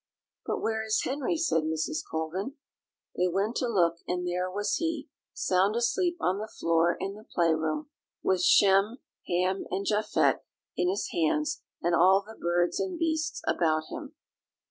"But where is Henry?" said Mrs. Colvin. They went to look, and there was he, sound asleep on the floor in the play room, with Shem, Ham, and Japhet in his hands, and all the birds and beasts about him.